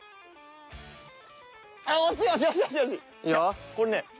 いやこれね。